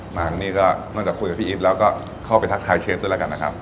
อเจมส์แล้วที่นี่ก็นั่นจะคุยกับพี่อีฟแล้วเข้าไปทักทายเชฟด้วยล่ะครับ